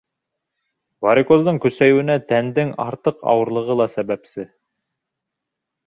Варикоздың көсәйеүенә тәндең артыҡ ауырлығы ла сәбәпсе.